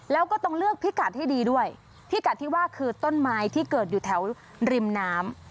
แล้วก็ต้องเลือกพิกัดให้ดีด้วยพิกัดที่ว่าคือต้นไม้ที่เกิดอยู่แถวริมน้ำ